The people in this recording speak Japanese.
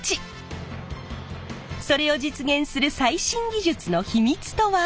それを実現する最新技術の秘密とは？